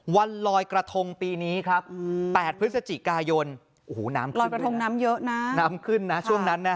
วันลอยกระทงปีนี้ครับ๘พฤศจิกายนลอยกระทงน้ำเยอะนะ